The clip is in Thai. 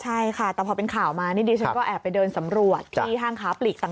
ใช่ค่ะแต่พอเป็นข่าวมานี่ดิฉันก็แอบไปเดินสำรวจที่ห้างค้าปลีกต่าง